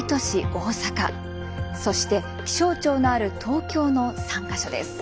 大阪そして気象庁のある東京の３か所です。